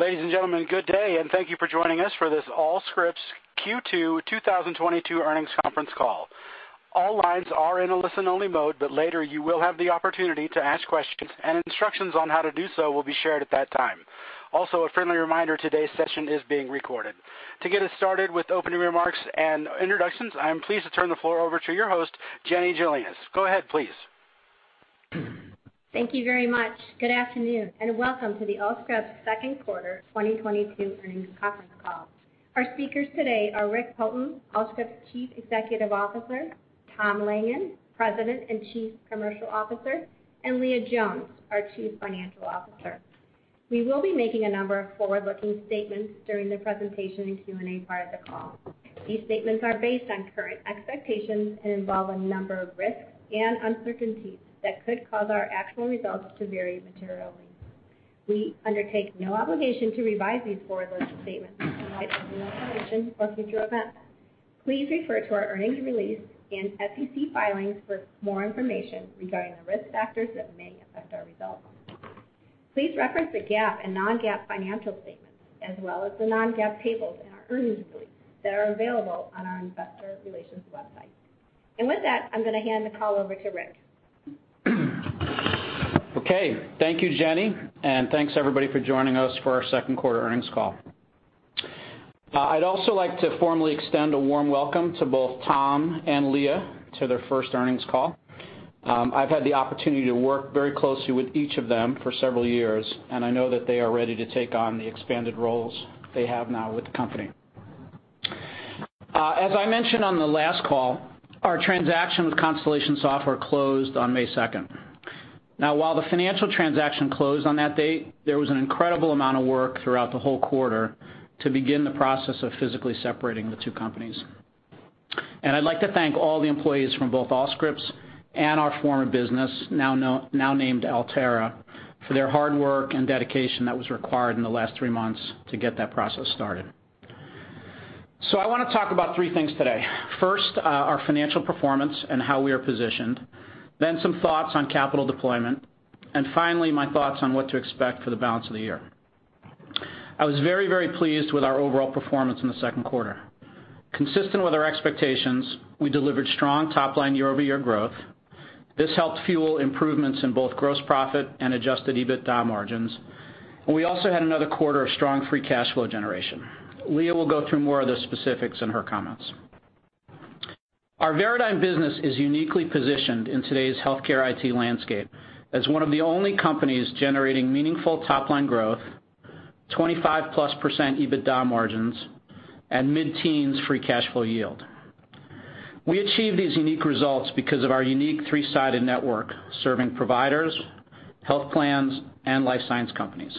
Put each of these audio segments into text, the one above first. Ladies and gentlemen, good day, and thank you for joining us for this Veradigm Q2 2022 earnings conference call. All lines are in a listen-only mode, but later you will have the opportunity to ask questions, and instructions on how to do so will be shared at that time. Also, a friendly reminder, today's session is being recorded. To get us started with opening remarks and introductions, I'm pleased to turn the floor over to your host, Jenny Gelinas. Go ahead, please. Thank you very much. Good afternoon, and welcome to the Allscripts second quarter 2022 earnings conference call. Our speakers today are Rick Poulton, Allscripts' Chief Executive Officer, Tom Langan, President and Chief Commercial Officer, and Leah Jones, our Chief Financial Officer. We will be making a number of forward-looking statements during the presentation and Q&A part of the call. These statements are based on current expectations and involve a number of risks and uncertainties that could cause our actual results to vary materially. We undertake no obligation to revise these forward-looking statements despite additional information or future events. Please refer to our earnings release and SEC filings for more information regarding the risk factors that may affect our results. Please reference the GAAP and non-GAAP financial statements, as well as the non-GAAP tables in our earnings release that are available on our investor relations website. With that, I'm gonna hand the call over to Rick. Okay. Thank you, Jenny. Thanks, everybody, for joining us for our second quarter earnings call. I'd also like to formally extend a warm welcome to both Tom and Leah to their first earnings call. I've had the opportunity to work very closely with each of them for several years, and I know that they are ready to take on the expanded roles they have now with the company. As I mentioned on the last call, our transaction with Constellation Software closed on May 2nd. Now, while the financial transaction closed on that date, there was an incredible amount of work throughout the whole quarter to begin the process of physically separating the two companies. I'd like to thank all the employees from both Allscripts and our former business, now named Altera Digital Health, for their hard work and dedication that was required in the last three months to get that process started. I wanna talk about three things today. First, our financial performance and how we are positioned, then some thoughts on capital deployment, and finally, my thoughts on what to expect for the balance of the year. I was very, very pleased with our overall performance in the second quarter. Consistent with our expectations, we delivered strong top-line year-over-year growth. This helped fuel improvements in both gross profit and adjusted EBITDA margins, and we also had another quarter of strong free cash flow generation. Leah will go through more of the specifics in her comments. Our Veradigm business is uniquely positioned in today's healthcare IT landscape as one of the only companies generating meaningful top-line growth, 25%+ EBITDA margins, and mid-teens% free cash flow yield. We achieve these unique results because of our unique three-sided network, serving providers, health plans, and life sciences companies.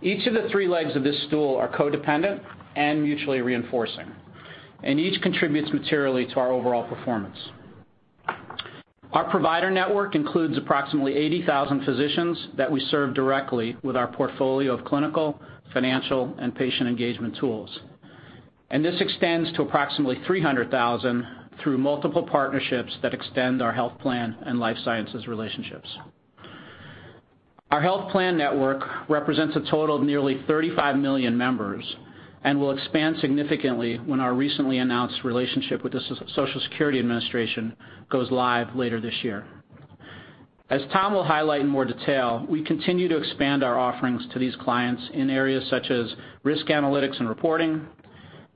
Each of the three legs of this stool are codependent and mutually reinforcing, and each contributes materially to our overall performance. Our provider network includes approximately 80,000 physicians that we serve directly with our portfolio of clinical, financial, and patient engagement tools. This extends to approximately 300,000 through multiple partnerships that extend our health plan and life sciences relationships. Our health plan network represents a total of nearly 35 million members and will expand significantly when our recently announced relationship with the Social Security Administration goes live later this year. As Tom will highlight in more detail, we continue to expand our offerings to these clients in areas such as risk analytics and reporting,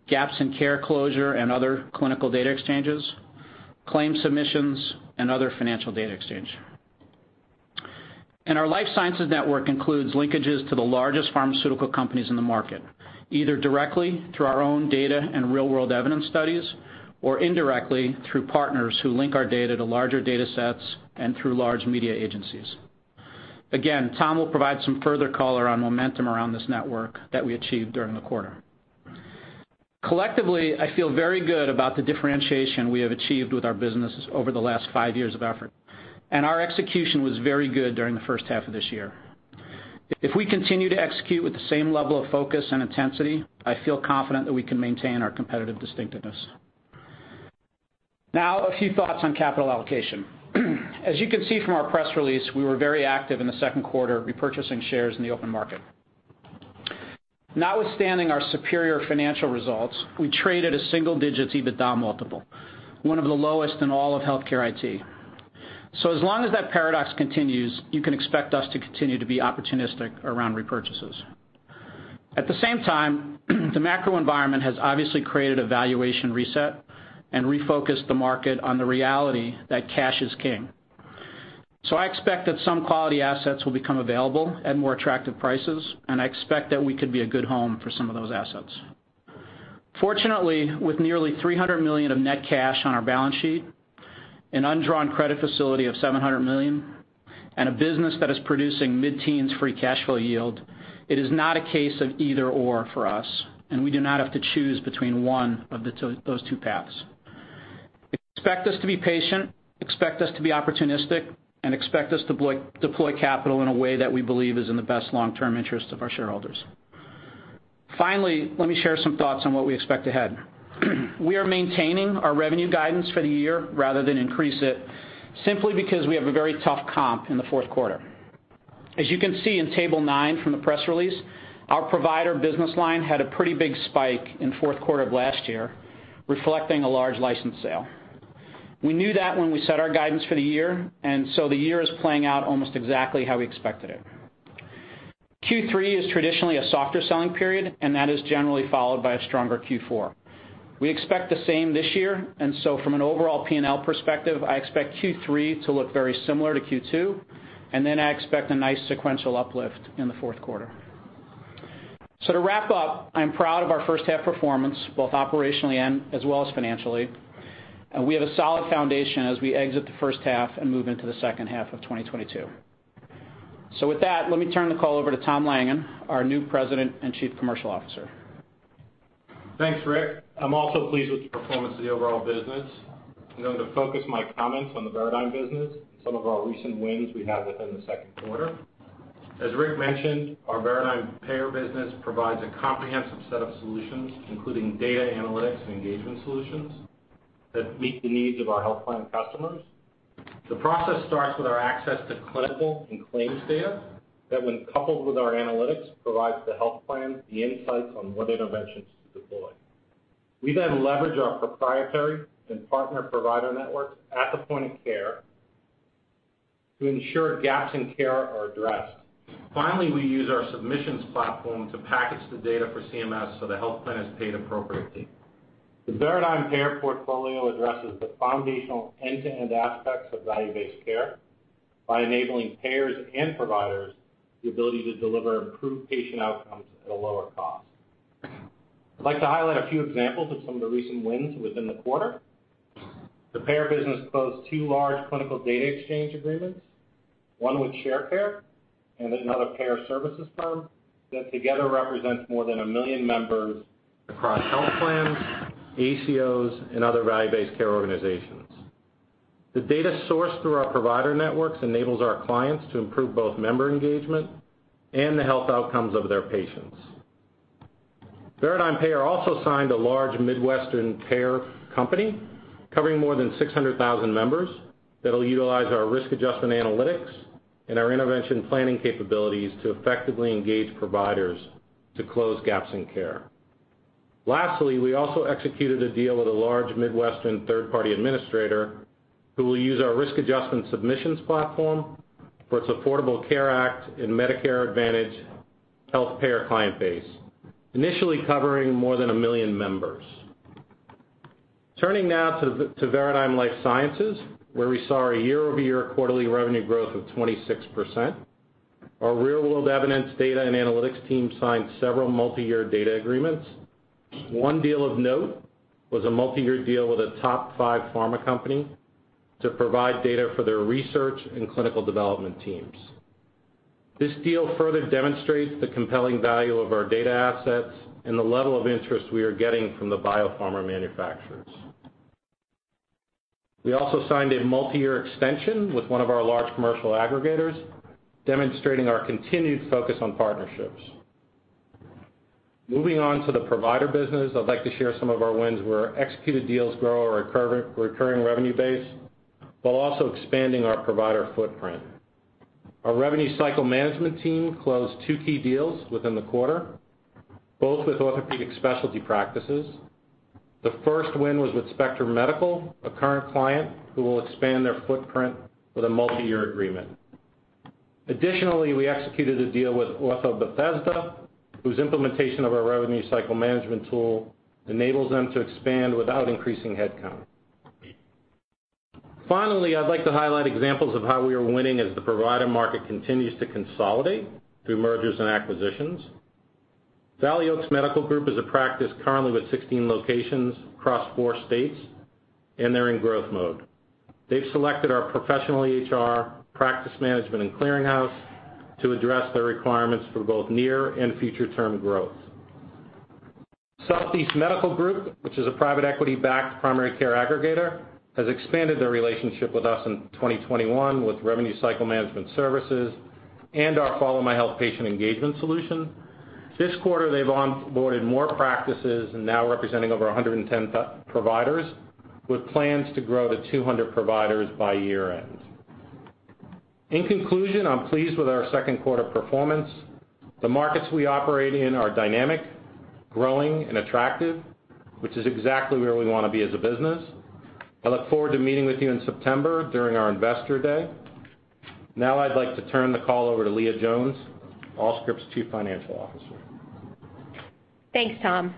gaps in care closure and other clinical data exchanges, claim submissions, and other financial data exchange. Our life sciences network includes linkages to the largest pharmaceutical companies in the market, either directly through our own data and real-world evidence studies, or indirectly through partners who link our data to larger datasets and through large media agencies. Again, Tom will provide some further color on momentum around this network that we achieved during the quarter. Collectively, I feel very good about the differentiation we have achieved with our businesses over the last five years of effort, and our execution was very good during the first half of this year. If we continue to execute with the same level of focus and intensity, I feel confident that we can maintain our competitive distinctiveness. Now, a few thoughts on capital allocation. As you can see from our press release, we were very active in the second quarter repurchasing shares in the open market. Notwithstanding our superior financial results, we traded a single-digit EBITDA multiple, one of the lowest in all of healthcare IT. As long as that paradox continues, you can expect us to continue to be opportunistic around repurchases. At the same time, the macro environment has obviously created a valuation reset and refocused the market on the reality that cash is king. I expect that some quality assets will become available at more attractive prices, and I expect that we could be a good home for some of those assets. Fortunately, with nearly $300 million of net cash on our balance sheet, an undrawn credit facility of $700 million, and a business that is producing mid-teens free cash flow yield, it is not a case of either/or for us, and we do not have to choose between one of the two, those two paths. Expect us to be patient, expect us to be opportunistic, and expect us to deploy capital in a way that we believe is in the best long-term interest of our shareholders. Finally, let me share some thoughts on what we expect ahead. We are maintaining our revenue guidance for the year rather than increase it simply because we have a very tough comp in the fourth quarter. As you can see in table 9 from the press release, our provider business line had a pretty big spike in fourth quarter of last year, reflecting a large license sale. We knew that when we set our guidance for the year, and so the year is playing out almost exactly how we expected it. Q3 is traditionally a softer selling period, and that is generally followed by a stronger Q4. We expect the same this year, and so from an overall P&L perspective, I expect Q3 to look very similar to Q2, and then I expect a nice sequential uplift in the fourth quarter. To wrap up, I'm proud of our first half performance, both operationally and as well as financially. We have a solid foundation as we exit the first half and move into the second half of 2022. With that, let me turn the call over to Tom Langan, our new President and Chief Commercial Officer. Thanks, Rick. I'm also pleased with the performance of the overall business. I'm going to focus my comments on the Veradigm business and some of our recent wins we had within the second quarter. As Rick mentioned, our Veradigm Payer business provides a comprehensive set of solutions, including data analytics and engagement solutions that meet the needs of our health plan customers. The process starts with our access to clinical and claims data that when coupled with our analytics, provides the health plan the insights on what interventions to deploy. We then leverage our proprietary and partner provider networks at the point of care to ensure gaps in care are addressed. Finally, we use our submissions platform to package the data for CMS so the health plan is paid appropriately. The Veradigm Payer portfolio addresses the foundational end-to-end aspects of value-based care by enabling payers and providers the ability to deliver improved patient outcomes at a lower cost. I'd like to highlight a few examples of some of the recent wins within the quarter. The Payer business closed 2 large clinical data exchange agreements, one with Sharecare and another payer services firm that together represents more than 1 million members across health plans, ACOs, and other value-based care organizations. The data sourced through our provider networks enables our clients to improve both member engagement and the health outcomes of their patients. Veradigm Payer also signed a large Midwestern payer company covering more than 600,000 members that'll utilize our risk adjustment analytics and our intervention planning capabilities to effectively engage providers to close gaps in care. Lastly, we also executed a deal with a large Midwestern third-party administrator who will use our risk adjustment submissions platform for its Affordable Care Act and Medicare Advantage healthcare client base, initially covering more than 1 million members. Turning now to Veradigm Life Sciences, where we saw a year-over-year quarterly revenue growth of 26%. Our real-world evidence data and analytics team signed several multiyear data agreements. One deal of note was a multiyear deal with a top five pharma company to provide data for their research and clinical development teams. This deal further demonstrates the compelling value of our data assets and the level of interest we are getting from the biopharma manufacturers. We also signed a multiyear extension with one of our large commercial aggregators, demonstrating our continued focus on partnerships. Moving on to the provider business, I'd like to share some of our wins where executed deals grow our recurring revenue base, while also expanding our provider footprint. Our revenue cycle management team closed 2 key deals within the quarter, both with orthopedic specialty practices. The first win was with Spectrum Medical, a current client who will expand their footprint with a multiyear agreement. Additionally, we executed a deal with OrthoBethesda, whose implementation of our revenue cycle management tool enables them to expand without increasing headcount. Finally, I'd like to highlight examples of how we are winning as the provider market continues to consolidate through mergers and acquisitions. Valley Oaks Medical Group is a practice currently with 16 locations across four states, and they're in growth mode. They've selected our professional EHR practice management and clearinghouse to address their requirements for both near and future term growth. Southeast Medical Group, which is a private equity-backed primary care aggregator, has expanded their relationship with us in 2021 with revenue cycle management services and our FollowMyHealth patient engagement solution. This quarter, they've onboarded more practices and now representing over 110 providers with plans to grow to 200 providers by year-end. In conclusion, I'm pleased with our second quarter performance. The markets we operate in are dynamic, growing, and attractive, which is exactly where we wanna be as a business. I look forward to meeting with you in September during our Investor Day. Now I'd like to turn the call over to Leah Jones, Veradigm's Chief Financial Officer. Thanks, Tom.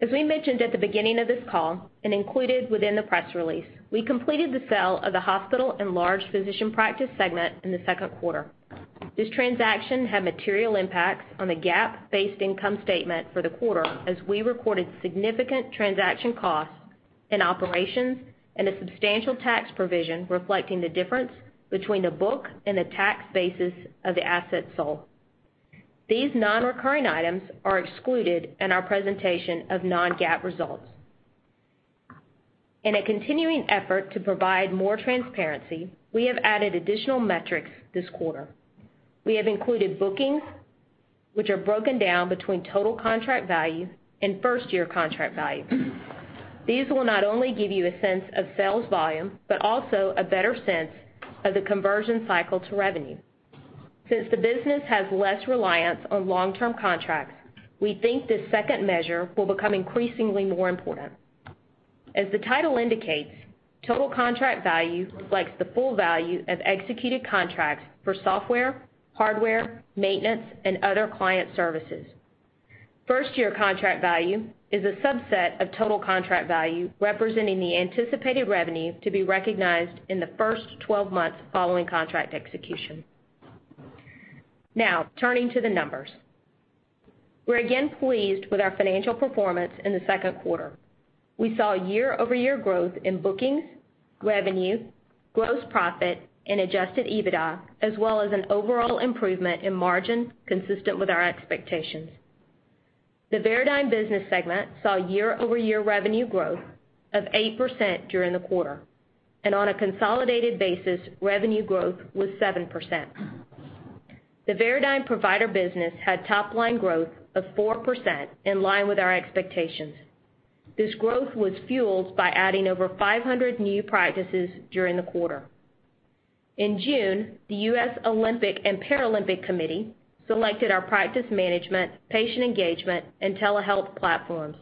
As we mentioned at the beginning of this call and included within the press release, we completed the sale of the hospital and large physician practice segment in the second quarter. This transaction had material impacts on the GAAP-based income statement for the quarter as we recorded significant transaction costs in operations and a substantial tax provision reflecting the difference between the book and the tax basis of the assets sold. These non-recurring items are excluded in our presentation of non-GAAP results. In a continuing effort to provide more transparency, we have added additional metrics this quarter. We have included bookings, which are broken down between total contract value and first-year contract value. These will not only give you a sense of sales volume, but also a better sense of the conversion cycle to revenue. Since the business has less reliance on long-term contracts, we think this second measure will become increasingly more important. As the title indicates, total contract value reflects the full value of executed contracts for software, hardware, maintenance, and other client services. First-year contract value is a subset of total contract value, representing the anticipated revenue to be recognized in the first 12 months following contract execution. Now turning to the numbers. We're again pleased with our financial performance in the second quarter. We saw year-over-year growth in bookings, revenue, gross profit, and adjusted EBITDA, as well as an overall improvement in margins consistent with our expectations. The Veradigm business segment saw year-over-year revenue growth of 8% during the quarter, and on a consolidated basis, revenue growth was 7%. The Veradigm Provider business had top line growth of 4% in line with our expectations. This growth was fueled by adding over 500 new practices during the quarter. In June, the United States Olympic & Paralympic Committee selected our practice management, patient engagement, and telehealth platforms.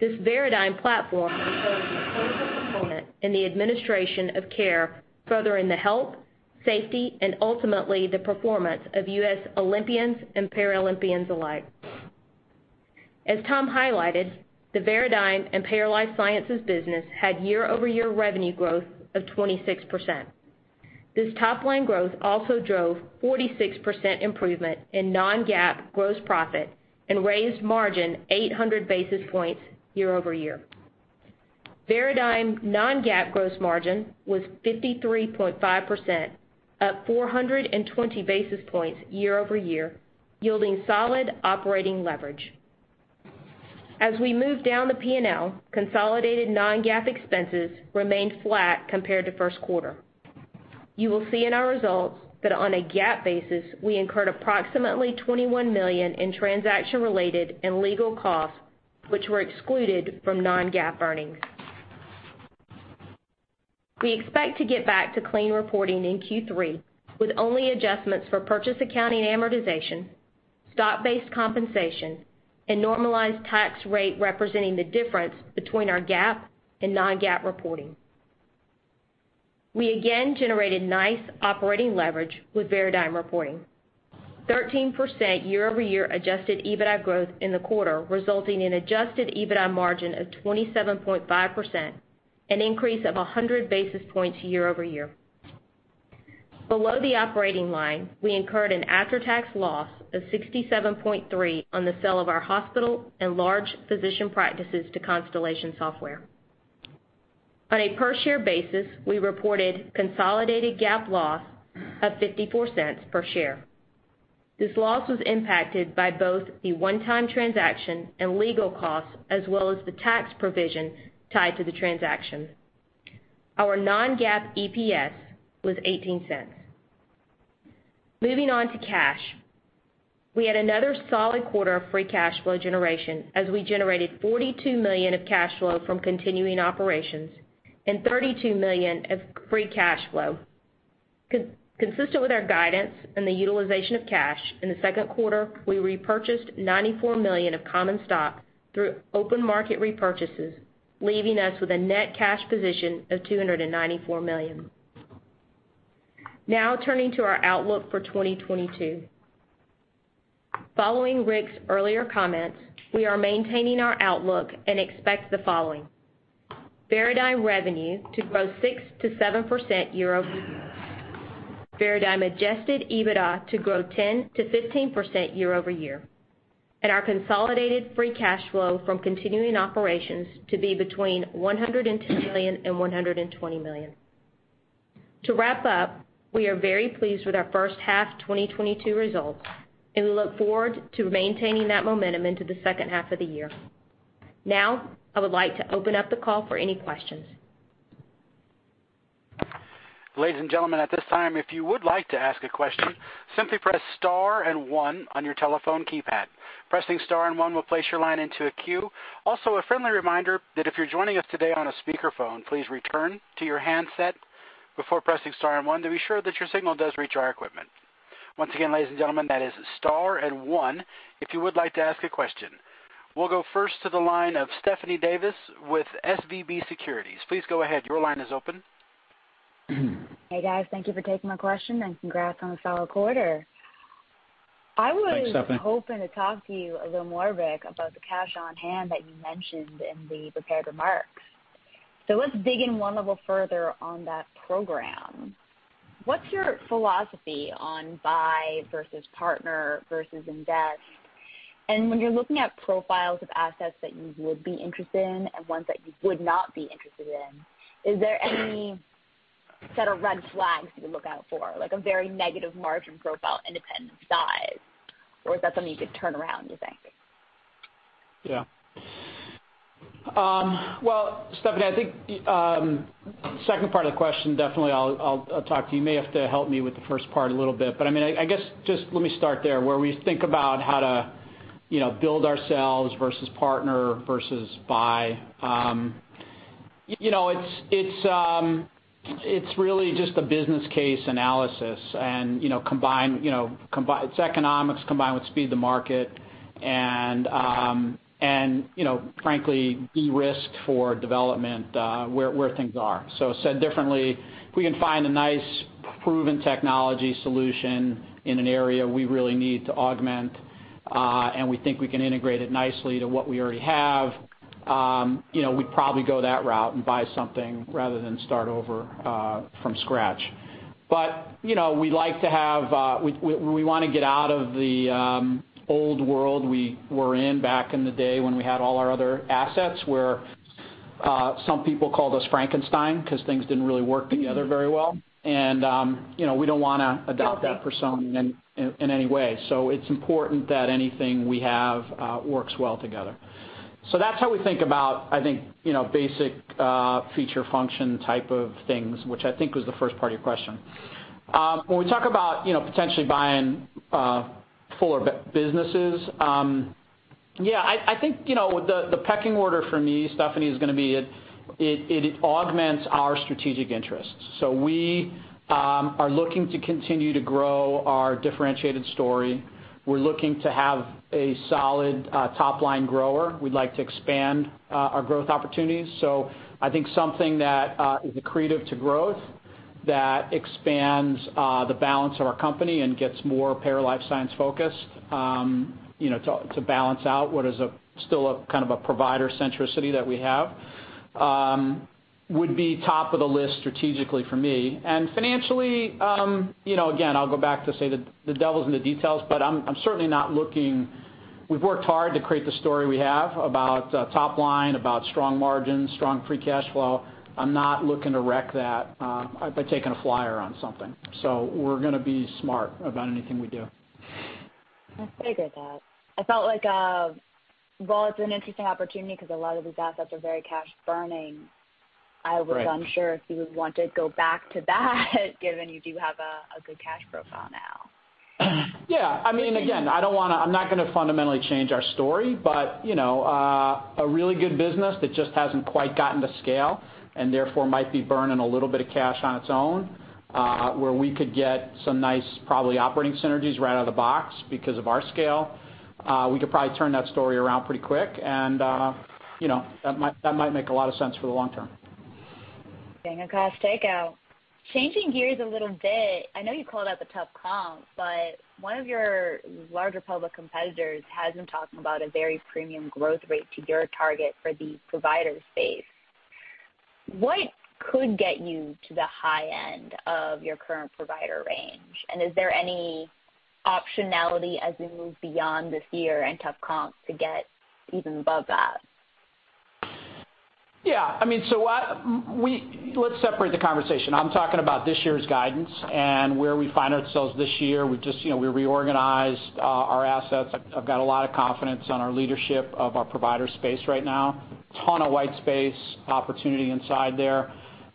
This Veradigm platform will play a critical component in the administration of care, furthering the health, safety, and ultimately the performance of U.S. Olympians and Paralympians alike. As Tom highlighted, the Veradigm Payer and Life Sciences business had year-over-year revenue growth of 26%. This top line growth also drove 46% improvement in non-GAAP gross profit and raised margin 800 basis points year-over-year. Veradigm non-GAAP gross margin was 53.5%, up 420 basis points year-over-year, yielding solid operating leverage. As we move down the P&L, consolidated non-GAAP expenses remained flat compared to first quarter. You will see in our results that on a GAAP basis, we incurred approximately $21 million in transaction-related and legal costs, which were excluded from non-GAAP earnings. We expect to get back to clean reporting in Q3 with only adjustments for purchase accounting amortization, stock-based compensation, and normalized tax rate representing the difference between our GAAP and non-GAAP reporting. We again generated nice operating leverage with Veradigm reporting. 13% year-over-year adjusted EBITDA growth in the quarter, resulting in adjusted EBITDA margin of 27.5%, an increase of 100 basis points year over year. Below the operating line, we incurred an after-tax loss of $67.3 on the sale of our hospital and large physician practices to Constellation Software. On a per share basis, we reported consolidated GAAP loss of $0.54 per share. This loss was impacted by both the one-time transaction and legal costs, as well as the tax provision tied to the transaction. Our non-GAAP EPS was $0.18. Moving on to cash. We had another solid quarter of free cash flow generation as we generated $42 million of cash flow from continuing operations and $32 million of free cash flow. Consistent with our guidance and the utilization of cash, in the second quarter, we repurchased $94 million of common stock through open market repurchases, leaving us with a net cash position of $294 million. Now turning to our outlook for 2022. Following Rick's earlier comments, we are maintaining our outlook and expect the following. Veradigm revenue to grow 6%-7% year-over-year. Veradigm adjusted EBITDA to grow 10%-15% year-over-year. Our consolidated free cash flow from continuing operations to be between $110 million and $120 million. To wrap up, we are very pleased with our first half 2022 results, and we look forward to maintaining that momentum into the second half of the year. Now, I would like to open up the call for any questions. Ladies and gentlemen, at this time, if you would like to ask a question, simply press star and 1 on your telephone keypad. Pressing star and 1 will place your line into a queue. Also, a friendly reminder that if you're joining us today on a speakerphone, please return to your handset before pressing star and 1 to be sure that your signal does reach our equipment. Once again, ladies and gentlemen, that is star and 1 if you would like to ask a question. We'll go first to the line of Stephanie Davis with SVB Securities. Please go ahead. Your line is open. Hey, guys. Thank you for taking my question, and congrats on a solid quarter. Thanks, Stephanie. I was hoping to talk to you a little more, Rick, about the cash on hand that you mentioned in the prepared remarks. Let's dig in one level further on that program. What's your philosophy on buy versus partner versus invest? And when you're looking at profiles of assets that you would be interested in and ones that you would not be interested in, is there any set of red flags you look out for, like a very negative margin profile independent of size, or is that something you could turn around, you think? Yeah. Well, Stephanie, I think, second part of the question, definitely, I'll talk to you. You may have to help me with the first part a little bit, but I mean, I guess, just let me start there. Where we think about how to, you know, build ourselves versus partner versus buy. You know, it's really just a business case analysis and, you know, it's economics combined with speed to market and, you know, frankly, de-risk for development, where things are. Said differently, if we can find a nice proven technology solution in an area we really need to augment, and we think we can integrate it nicely to what we already have, you know, we'd probably go that route and buy something rather than start over, from scratch. You know, we like to have. We wanna get out of the old world we were in back in the day when we had all our other assets, where some people called us Frankenstein because things didn't really work together very well. You know, we don't wanna adopt that persona in any way. It's important that anything we have works well together. That's how we think about, I think, you know, basic feature function type of things, which I think was the first part of your question. When we talk about, you know, potentially buying fuller businesses, yeah, I think, you know, the pecking order for me, Stephanie, is gonna be it augments our strategic interests. We are looking to continue to grow our differentiated story. We're looking to have a solid top-line grower. We'd like to expand our growth opportunities. I think something that is accretive to growth, that expands the balance of our company and gets more payer life science focused, you know, to balance out what is a still a kind of a provider centricity that we have, would be top of the list strategically for me. Financially, you know, again, I'll go back to say that the devil's in the details, but I'm certainly not looking. We've worked hard to create the story we have about top line, about strong margins, strong free cash flow. I'm not looking to wreck that, by taking a flyer on something. We're gonna be smart about anything we do. I figured that. I felt like, while it's an interesting opportunity because a lot of these assets are very cash burning. Right. I wasn't sure if you would want to go back to that given you do have a good cash profile now. Yeah. I mean, again, I'm not gonna fundamentally change our story. You know, a really good business that just hasn't quite gotten to scale and therefore might be burning a little bit of cash on its own, where we could get some nice probably operating synergies right out of the box because of our scale, we could probably turn that story around pretty quick. You know, that might make a lot of sense for the long term. Being a cost takeout. Changing gears a little bit, I know you called out the tough comps, but one of your larger public competitors has been talking about a very premium growth rate to your target for the provider space. What could get you to the high end of your current provider range? Is there any optionality as we move beyond this year and tough comps to get even above that? Yeah. I mean, Let's separate the conversation. I'm talking about this year's guidance and where we find ourselves this year. We just, you know, we reorganized our assets. I've got a lot of confidence on our leadership of our provider space right now. Ton of white space opportunity inside there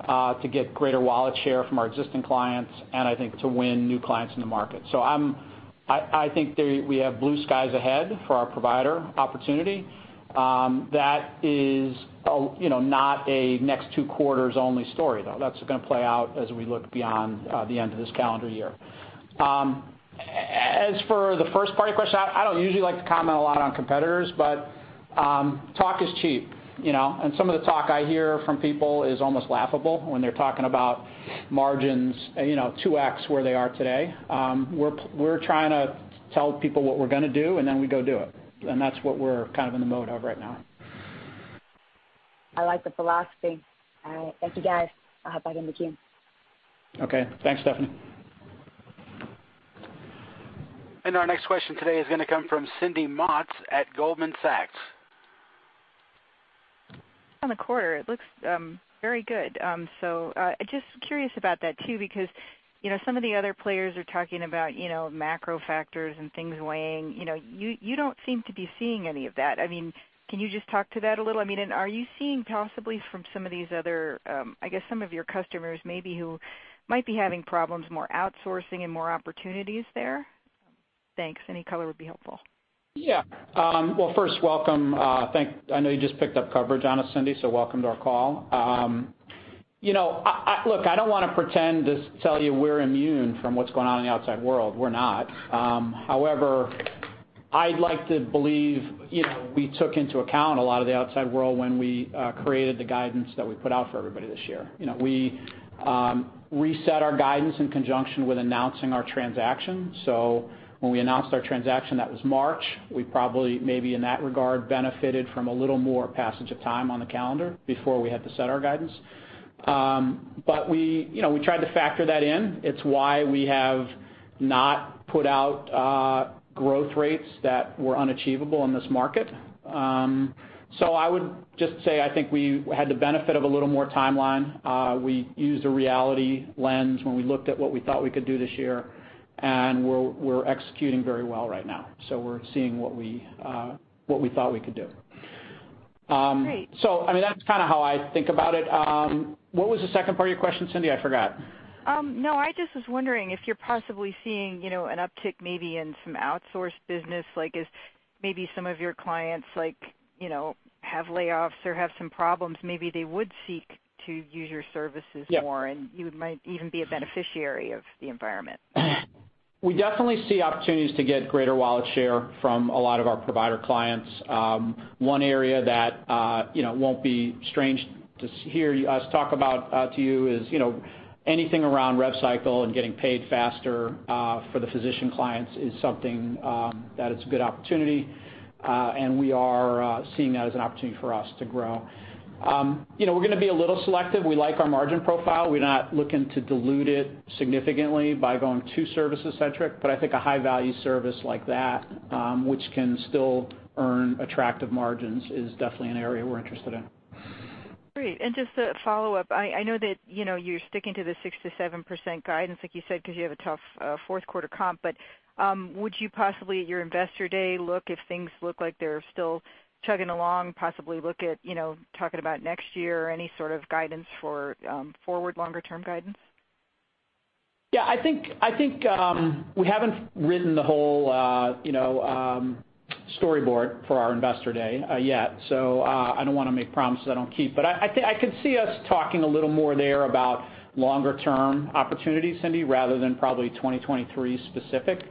to get greater wallet share from our existing clients and I think to win new clients in the market. So I think we have blue skies ahead for our provider opportunity, that is a, you know, not a next two quarters only story, though. That's gonna play out as we look beyond the end of this calendar year. As for the first part of your question, I don't usually like to comment a lot on competitors, but talk is cheap, you know? Some of the talk I hear from people is almost laughable when they're talking about margins, you know, 2x where they are today. We're trying to tell people what we're gonna do, and then we go do it. That's what we're kind of in the mode of right now. I like the philosophy. All right. Thank you, guys. I'll hop back into queue. Okay. Thanks, Stephanie. Our next question today is gonna come from Cindy Motz at Goldman Sachs. On the quarter, it looks very good. Just curious about that too, because, you know, some of the other players are talking about, you know, macro factors and things weighing. You know, you don't seem to be seeing any of that. I mean, can you just talk to that a little? I mean, and are you seeing possibly from some of these other, I guess some of your customers maybe who might be having problems more outsourcing and more opportunities there? Thanks. Any color would be helpful. Yeah. Well, first, welcome. I know you just picked up coverage on us, Cindy, so welcome to our call. You know, Look, I don't wanna pretend to tell you we're immune from what's going on in the outside world. We're not. However, I'd like to believe, you know, we took into account a lot of the outside world when we created the guidance that we put out for everybody this year. You know, we reset our guidance in conjunction with announcing our transaction. When we announced our transaction, that was March. We probably maybe in that regard benefited from a little more passage of time on the calendar before we had to set our guidance. We, you know, we tried to factor that in. It's why we have not put out growth rates that were unachievable in this market. I would just say I think we had the benefit of a little more timeline. We used a reality lens when we looked at what we thought we could do this year, and we're executing very well right now. We're seeing what we thought we could do. Great. I mean, that's kinda how I think about it. What was the second part of your question, Cindy? I forgot. No. I just was wondering if you're possibly seeing, you know, an uptick maybe in some outsourced business. Like, if maybe some of your clients, like, you know, have layoffs or have some problems, maybe they would seek to use your services. Yeah more, and you might even be a beneficiary of the environment. We definitely see opportunities to get greater wallet share from a lot of our provider clients. One area that, you know, won't be strange to hear us talk about, to you is, you know, anything around rev cycle and getting paid faster, for the physician clients is something that it's a good opportunity. We are seeing that as an opportunity for us to grow. You know, we're gonna be a little selective. We like our margin profile. We're not looking to dilute it significantly by going too service-centric, but I think a high-value service like that, which can still earn attractive margins, is definitely an area we're interested in. Great. Just a follow-up. I know that, you know, you're sticking to the 6%-7% guidance, like you said, cause you have a tough fourth quarter comp, but would you possibly at your Investor Day look if things look like they're still chugging along, possibly look at, you know, talking about next year or any sort of guidance for forward longer-term guidance? Yeah. I think, we haven't written the whole, you know, storyboard for our Investor Day yet, so I don't wanna make promises I don't keep. I could see us talking a little more there about longer-term opportunities, Cindy, rather than probably 2023 specific.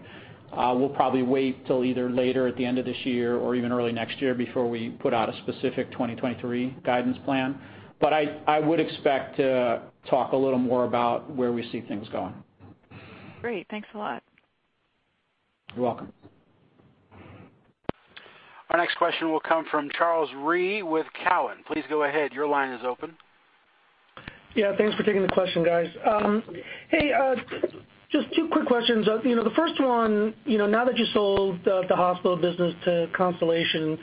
We'll probably wait till either later at the end of this year or even early next year before we put out a specific 2023 guidance plan. I would expect to talk a little more about where we see things going. Great. Thanks a lot. You're welcome. Our next question will come from Charles Rhyee with Cowen. Please go ahead. Your line is open. Yeah. Thanks for taking the question, guys. Hey, just two quick questions. You know, the first one, you know, now that you sold the hospital business to Constellation,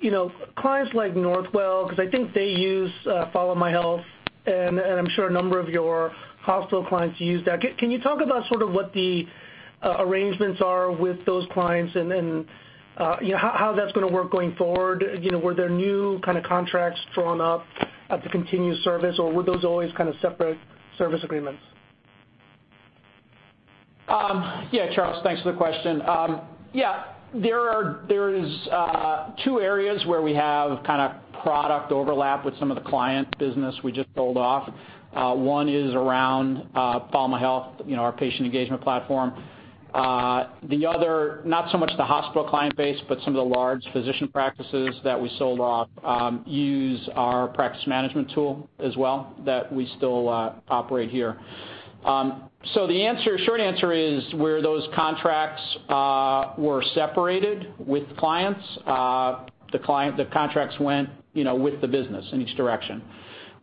you know, clients like Northwell, cause I think they use FollowMyHealth, and I'm sure a number of your hospital clients use that, can you talk about sort of what the arrangements are with those clients and, you know, how that's gonna work going forward? You know, were there new kind of contracts drawn up at the continued service, or were those always kind of separate service agreements? Yeah, Charles, thanks for the question. Yeah. There is two areas where we have kinda product overlap with some of the client business we just sold off. One is around FollowMyHealth, you know, our patient engagement platform. The other, not so much the hospital client base, but some of the large physician practices that we sold off, use our practice management tool as well, that we still operate here. The short answer is where those contracts were separated with clients, the contracts went, you know, with the business in each direction.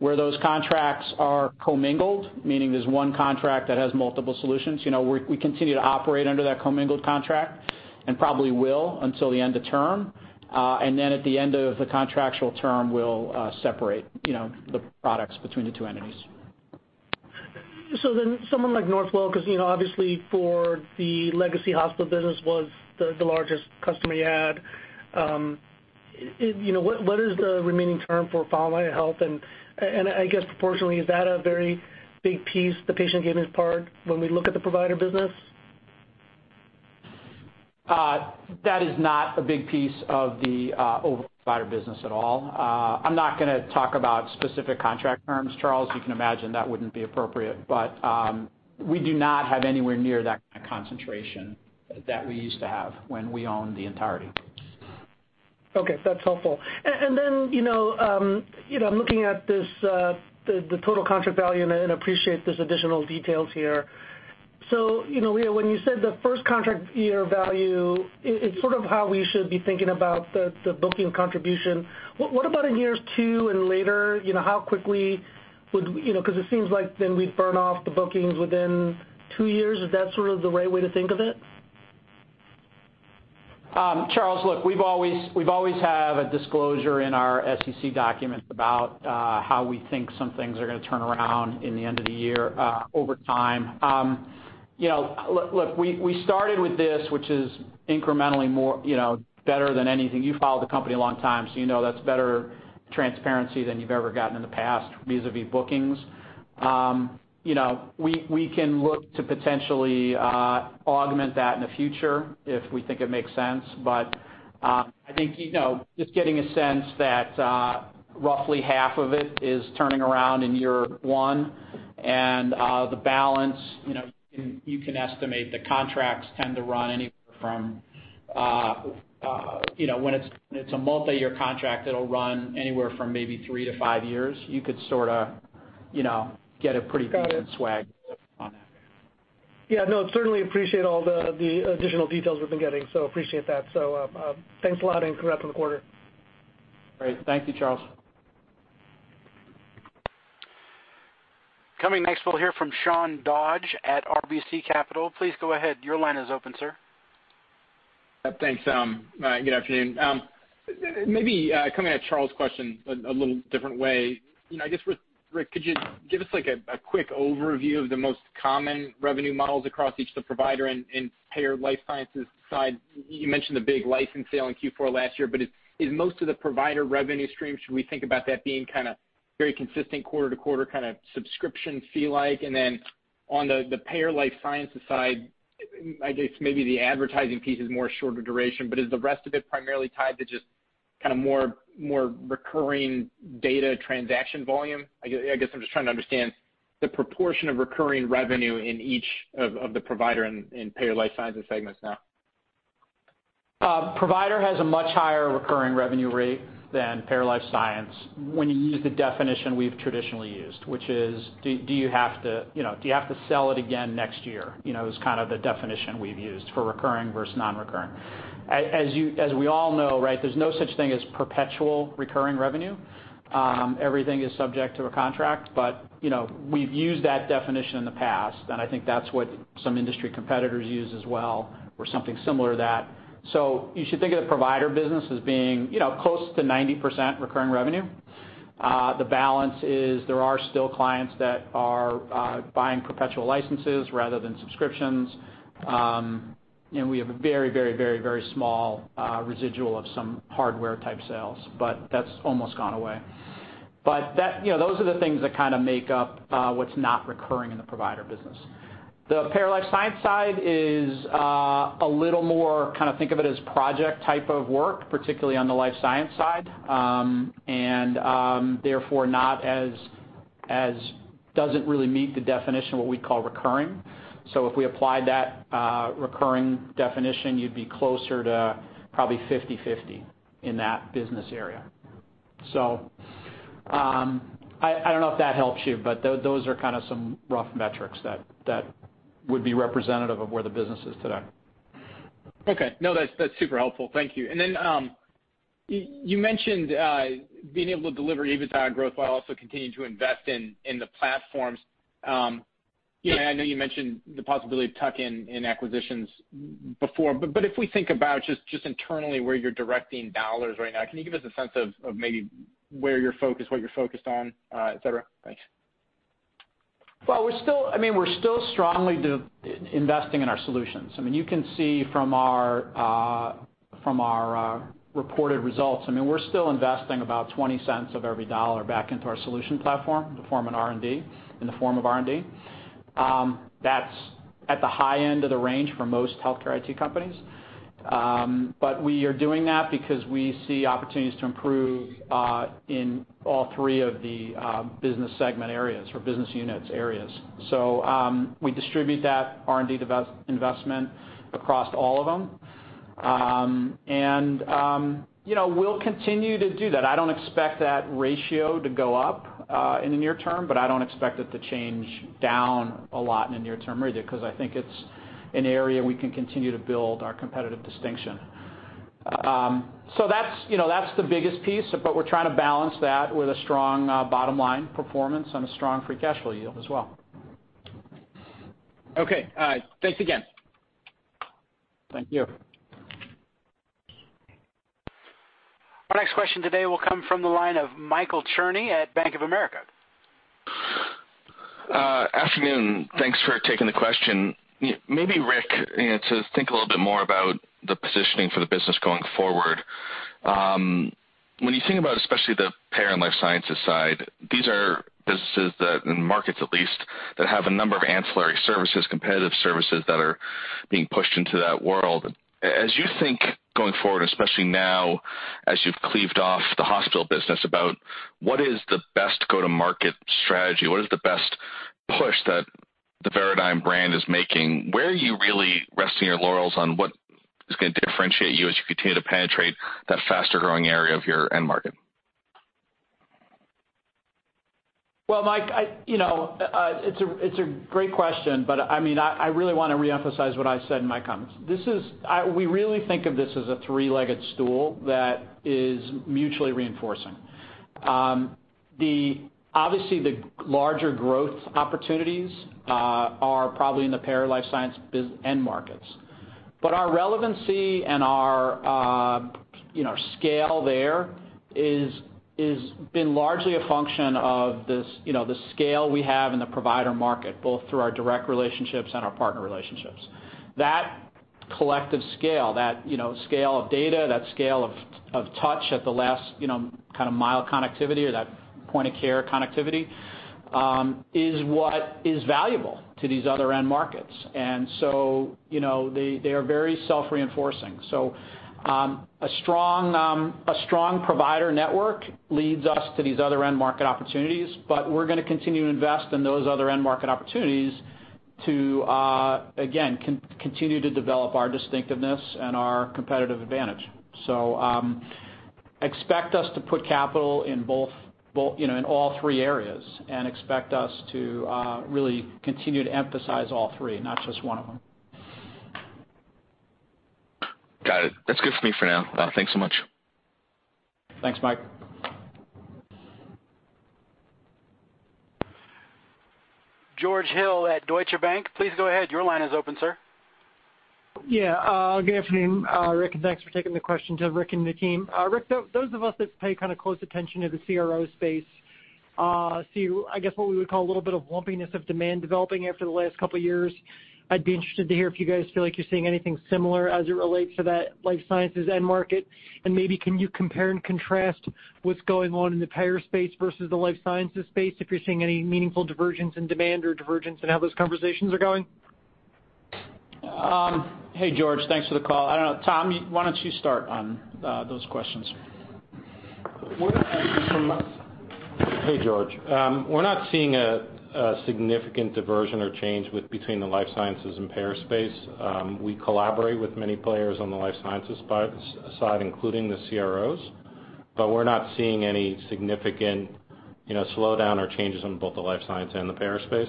Where those contracts are commingled, meaning there's one contract that has multiple solutions, you know, we continue to operate under that commingled contract and probably will until the end of term. At the end of the contractual term, we'll separate, you know, the products between the two entities. Someone like Northwell, cause you know, obviously for the legacy hospital business was the largest customer you had. What is the remaining term for FollowMyHealth? And I guess proportionally, is that a very big piece, the patient engagement part, when we look at the provider business? That is not a big piece of the overall provider business at all. I'm not gonna talk about specific contract terms, Charles. You can imagine that wouldn't be appropriate, but we do not have anywhere near that kind of concentration that we used to have when we owned the entirety. Okay. That's helpful. Then, you know, looking at this, the total contract value and appreciate there's additional details here. You know, Leah, when you said the first contract year value is sort of how we should be thinking about the booking contribution, what about in years two and later? You know, cause it seems like then we'd burn off the bookings within two years. Is that sort of the right way to think of it? Charles, look, we've always have a disclosure in our SEC documents about how we think some things are gonna turn around in the end of the year over time. You know, look, we started with this, which is incrementally more, you know, better than anything. You've followed the company a long time, so you know that's better transparency than you've ever gotten in the past vis-à-vis bookings. You know, we can look to potentially augment that in the future if we think it makes sense. I think, you know, just getting a sense that roughly half of it is turning around in year one, and the balance, you know, you can estimate. The contracts tend to run anywhere from, you know, when it's a multiyear contract, it'll run anywhere from maybe 3 to 5 years. You could sorta, you know, get a pretty decent Got it. Swag on that. Yeah, no. Certainly appreciate all the additional details we've been getting, so appreciate that. Thanks a lot, and congrats on the quarter. Great. Thank you, Charles. Coming next, we'll hear from Sean Dodge at RBC Capital. Please go ahead. Your line is open, sir. Thanks, good afternoon. Maybe coming at Charles Rhyee's question a little different way. You know, I guess with Rick, could you give us like a quick overview of the most common revenue models across each of the provider and payer life sciences side. You mentioned the big license sale in Q4 last year, but is most of the provider revenue stream, should we think about that being kinda very consistent quarter to quarter kind of subscription fee-like? On the payer life sciences side, I guess maybe the advertising piece is more shorter duration, but is the rest of it primarily tied to just kinda more recurring data transaction volume? I guess I'm just trying to understand the proportion of recurring revenue in each of the provider and payer life sciences segments now. Provider has a much higher recurring revenue rate than Payer and Life Sciences when you use the definition we've traditionally used, which is, do you have to sell it again next year? You know, is kind of the definition we've used for recurring versus non-recurring. As we all know, right, there's no such thing as perpetual recurring revenue. Everything is subject to a contract, but, you know, we've used that definition in the past, and I think that's what some industry competitors use as well, or something similar to that. You should think of the Provider business as being, you know, close to 90% recurring revenue. The balance is there are still clients that are buying perpetual licenses rather than subscriptions. We have a very small residual of some hardware-type sales, but that's almost gone away. That, you know, those are the things that kinda make up what's not recurring in the provider business. The payer life science side is a little more, kinda think of it as project type of work, particularly on the life science side, therefore doesn't really meet the definition of what we call recurring. If we applied that recurring definition, you'd be closer to probably 50/50 in that business area. I don't know if that helps you, but those are kinda some rough metrics that would be representative of where the business is today. Okay. No, that's super helpful. Thank you. Then, you mentioned being able to deliver EBITDA growth while also continuing to invest in the platforms. You know, I know you mentioned the possibility of tuck-in acquisitions before. But if we think about just internally where you're directing dollars right now, can you give us a sense of maybe where you're focused, what you're focused on, et cetera? Thanks. Well, I mean, we're still strongly investing in our solutions. I mean, you can see from our reported results, I mean, we're still investing about 20 cents of every dollar back into our solution platform in the form of R&D. That's at the high end of the range for most healthcare IT companies. But we are doing that because we see opportunities to improve in all three of the business segment areas or business units areas. We distribute that R&D investment across all of them. You know, we'll continue to do that. I don't expect that ratio to go up in the near term, but I don't expect it to change down a lot in the near term either because I think it's an area we can continue to build our competitive distinction. That's, you know, that's the biggest piece, but we're trying to balance that with a strong bottom-line performance and a strong free cash flow yield as well. Okay. Thanks again. Thank you. Our next question today will come from the line of Michael Cherny at Bank of America. Afternoon. Thanks for taking the question. Maybe Rick, you know, to think a little bit more about the positioning for the business going forward. When you think about especially the payer and life sciences side, these are businesses that, in markets at least, that have a number of ancillary services, competitive services that are being pushed into that world. As you think going forward, especially now as you've cleaved off the hospital business, about what is the best go-to-market strategy? What is the best push that the Veradigm brand is making? Where are you really resting your laurels on what is gonna differentiate you as you continue to penetrate that faster-growing area of your end market? Well, Mike, you know, it's a great question, but I mean, I really wanna reemphasize what I said in my comments. We really think of this as a three-legged stool that is mutually reinforcing. Obviously the larger growth opportunities are probably in the Payer Life Sciences business end markets. But our relevancy and our, you know, scale there has been largely a function of this, you know, the scale we have in the Provider market, both through our direct relationships and our partner relationships. That collective scale, that, you know, scale of data, that scale of touch at the last mile connectivity or that point of care connectivity is what is valuable to these other end markets. You know, they are very self-reinforcing. A strong provider network leads us to these other end market opportunities, but we're gonna continue to invest in those other end market opportunities to, again, continue to develop our distinctiveness and our competitive advantage. Expect us to put capital in both, you know, in all three areas and expect us to really continue to emphasize all three, not just one of them. Got it. That's good for me for now. Thanks so much. Thanks, Mike. George Hill at Deutsche Bank, please go ahead. Your line is open, sir. Yeah, good afternoon, Rick, and thanks for taking the question to Rick and the team. Rick, those of us that pay kind of close attention to the CRO space, see, I guess, what we would call a little bit of lumpiness of demand developing after the last couple of years. I'd be interested to hear if you guys feel like you're seeing anything similar as it relates to that life sciences end market, and maybe can you compare and contrast what's going on in the payer space versus the life sciences space, if you're seeing any meaningful divergences in demand or divergence in how those conversations are going? Hey, George, thanks for the call. I don't know, Tom, why don't you start on those questions? Hey, George. We're not seeing a significant divergence or change between the life sciences and payer space. We collaborate with many players on the life sciences side, including the CROs, but we're not seeing any significant slowdown or changes in both the life science and the payer space.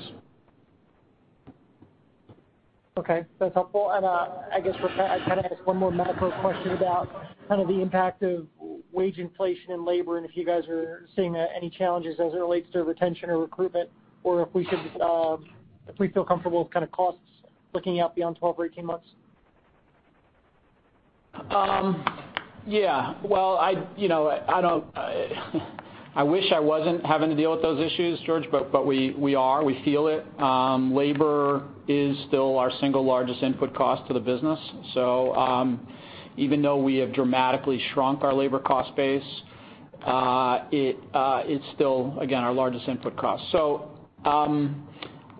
Okay. That's helpful. I guess I kinda ask one more macro question about kind of the impact of wage inflation and labor, and if you guys are seeing any challenges as it relates to retention or recruitment or if we feel comfortable with kind of costs looking out beyond 12-18 months. Yeah. Well, I'd, you know, I don't, I wish I wasn't having to deal with those issues, George, but we are, we feel it. Labor is still our single largest input cost to the business. Even though we have dramatically shrunk our labor cost base, it's still, again, our largest input cost.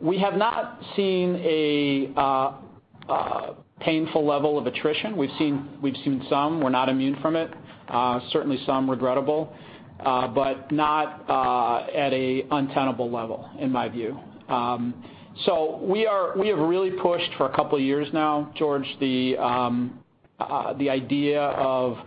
We have not seen a painful level of attrition. We've seen some. We're not immune from it. Certainly some regrettable, but not at a untenable level in my view. We have really pushed for a couple of years now, George, the idea of,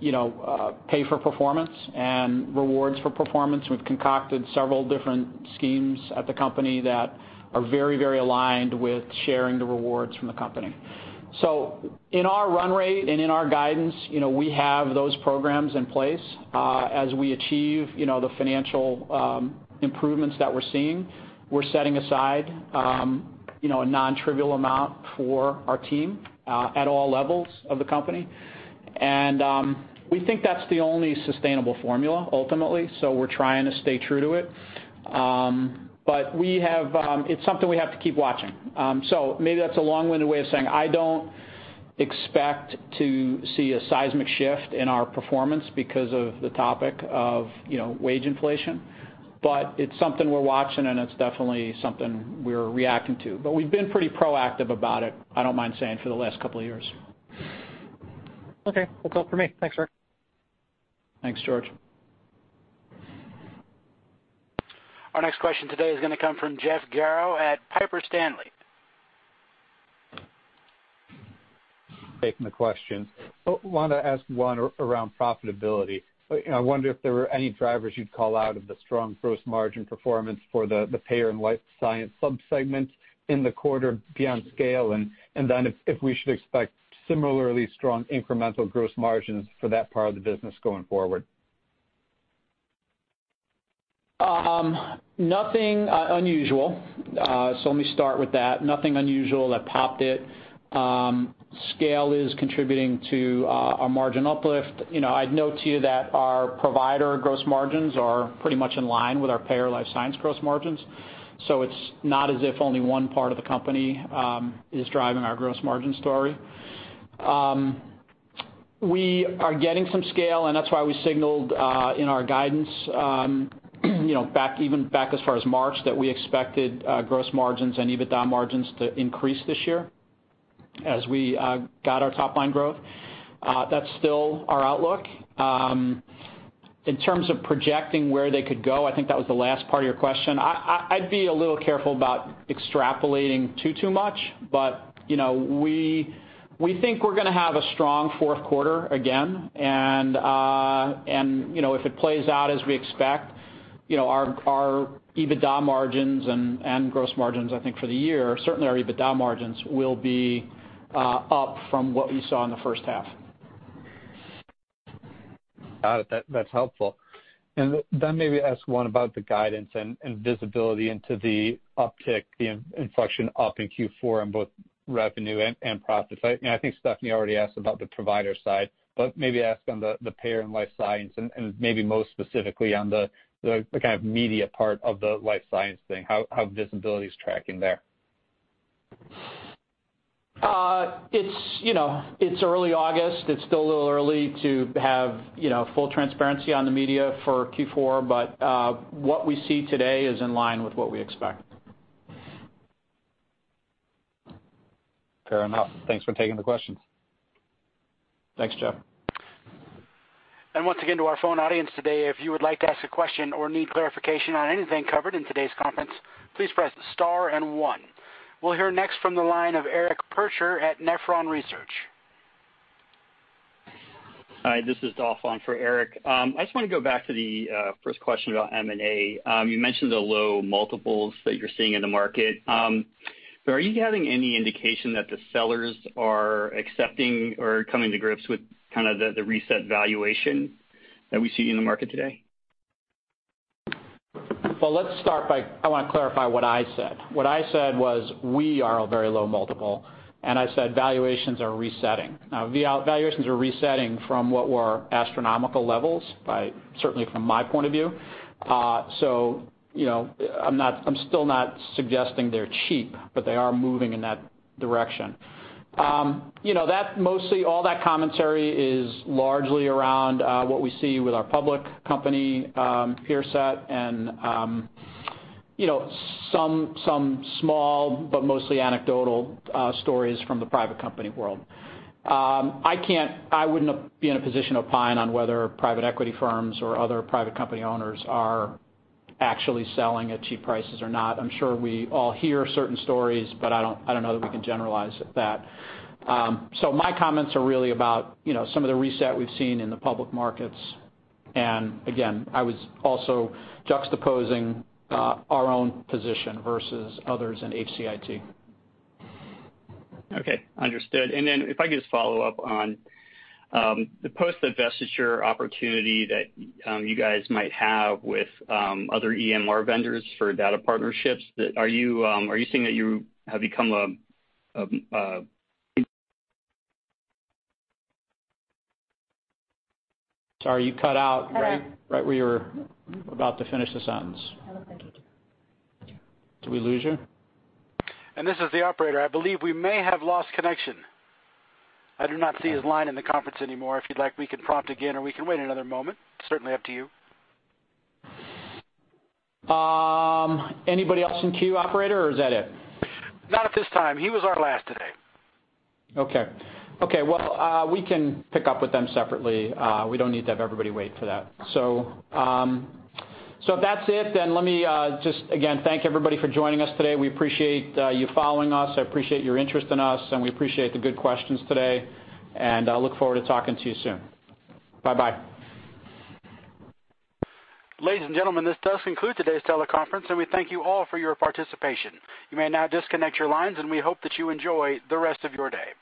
you know, pay for performance and rewards for performance. We've concocted several different schemes at the company that are very, very aligned with sharing the rewards from the company. In our run rate and in our guidance, you know, we have those programs in place. As we achieve, you know, the financial improvements that we're seeing, we're setting aside, you know, a non-trivial amount for our team at all levels of the company. We think that's the only sustainable formula ultimately. We're trying to stay true to it. It's something we have to keep watching. Maybe that's a long-winded way of saying I don't expect to see a seismic shift in our performance because of the topic of, you know, wage inflation. It's something we're watching, and it's definitely something we're reacting to. We've been pretty proactive about it, I don't mind saying, for the last couple of years. Okay. That's all for me. Thanks, Rick. Thanks, George. Our next question today is gonna come from Jeff Garro at Piper Sandler. Taking the question. Wanna ask one around profitability. You know, I wonder if there were any drivers you'd call out of the strong gross margin performance for the payer and life science sub-segments in the quarter beyond scale. Then, if we should expect similarly strong incremental gross margins for that part of the business going forward. Nothing unusual. So let me start with that. Nothing unusual that topped it. Scale is contributing to our margin uplift. You know, I'd note to you that our Provider gross margins are pretty much in line with our Payer and Life Sciences gross margins. So it's not as if only one part of the company is driving our gross margin story. We are getting some scale, and that's why we signaled in our guidance, you know, back as far as March, that we expected gross margins and EBITDA margins to increase this year as we got our top line growth. That's still our outlook. In terms of projecting where they could go, I think that was the last part of your question. I'd be a little careful about extrapolating too much. You know, we think we're gonna have a strong fourth quarter again, and you know, if it plays out as we expect, you know, our EBITDA margins and gross margins, I think for the year, certainly our EBITDA margins will be up from what we saw in the first half. Got it. That's helpful. Then maybe ask one about the guidance and visibility into the uptick, the inflection up in Q4 on both revenue and profit. I think Stephanie already asked about the Provider side, but maybe ask on the Payer and Life Sciences and maybe most specifically on the kind of media part of the Life Sciences thing, how visibility is tracking there. You know, it's early August. It's still a little early to have, you know, full transparency on the metrics for Q4, but what we see today is in line with what we expect. Fair enough. Thanks for taking the question. Thanks, Jeff. Once again to our phone audience today, if you would like to ask a question or need clarification on anything covered in today's conference, please press star and one. We'll hear next from the line of Eric Percher at Nephron Research. Hi, this is Dolph for Eric. I just wanna go back to the first question about M&A. You mentioned the low multiples that you're seeing in the market. Are you having any indication that the sellers are accepting or coming to grips with kind of the reset valuation that we see in the market today? I wanna clarify what I said. What I said was, we are a very low multiple, and I said valuations are resetting. Now, valuations are resetting from what were astronomical levels by certainly from my point of view. So, you know, I'm still not suggesting they're cheap, but they are moving in that direction. You know, that mostly all that commentary is largely around what we see with our public company peer set and, you know, some small but mostly anecdotal stories from the private company world. I wouldn't be in a position to opine on whether private equity firms or other private company owners are actually selling at cheap prices or not. I'm sure we all hear certain stories, but I don't know that we can generalize that. My comments are really about, you know, some of the reset we've seen in the public markets. Again, I was also juxtaposing our own position versus others in HCIT. Okay. Understood. If I could just follow up on the post divestiture opportunity that you guys might have with other EMR vendors for data partnerships. Are you seeing that you have become a? Sorry, you cut out right. Cut out. Right where you were about to finish the sentence. I don't think he did. Did we lose you? This is the operator. I believe we may have lost connection. I do not see his line in the conference anymore. If you'd like, we can prompt again, or we can wait another moment. Certainly up to you. Anybody else in queue, operator, or is that it? Not at this time. He was our last today. Okay. Well, we can pick up with them separately. We don't need to have everybody wait for that. If that's it, let me just again thank everybody for joining us today. We appreciate you following us. I appreciate your interest in us, and we appreciate the good questions today, and I look forward to talking to you soon. Bye-bye. Ladies and gentlemen, this does conclude today's teleconference, and we thank you all for your participation. You may now disconnect your lines, and we hope that you enjoy the rest of your day.